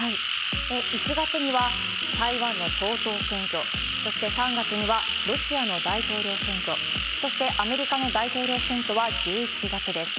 １月には台湾の総統選挙、そして３月にはロシアの大統領選挙、そしてアメリカの大統領選挙は１１月です。